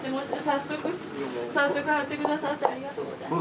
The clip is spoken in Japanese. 早速早速貼って下さってありがとうございます。